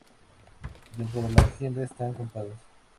Dentro de la agenda están contados.